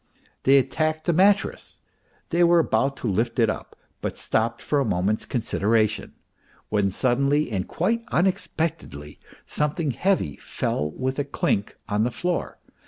They attacked the mattress, they were about to lift it up, but stopped for a moment's consideration, when suddenly and quite unexpectedly something heavy fell with a clink on the floor.